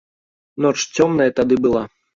Ноч цёмная тады была.